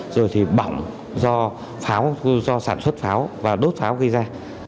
rồi thì bỏng do pháo do sản xuất pháo và đốt pháo gây ra